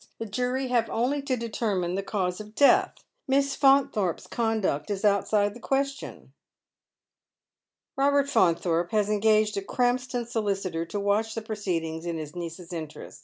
The jury have only to determine the cause of death. Mjss Faunthorpe's conduct is outside the question." Eobert Faunthorpe has engaged a Krampston sohcitor to watch the proceedings in his niece's interest.